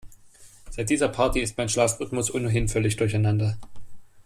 Seit dieser Party ist mein Schlafrhythmus ohnehin völlig durcheinander.